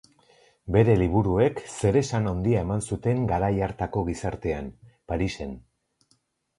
Bere liburuek zeresan handia eman zuten garai hartako gizartean, Parisen.